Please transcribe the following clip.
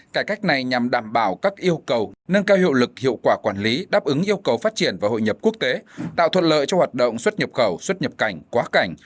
cải cách này nhằm đảm bảo các yêu cầu nâng cao hiệu lực hiệu quả quản lý đáp ứng yêu cầu phát triển và hội nhập quốc tế tạo thuận lợi cho hoạt động xuất nhập khẩu xuất nhập cảnh quá cảnh